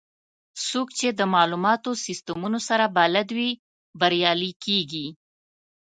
څوک چې د معلوماتي سیستمونو سره بلد وي، بریالي کېږي.